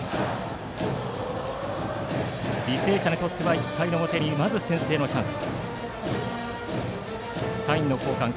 履正社にとっては１回の表にまず先制のチャンス。